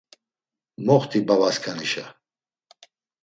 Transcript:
Moxti babaskanişa.